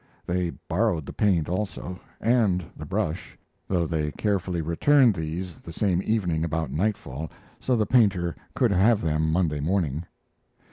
They borrowed the paint also, and the brush, though they carefully returned these the same evening about nightfall, so the painter could have them Monday morning.